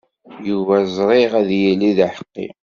Yuba ẓriɣ ad yili d aḥeqqi.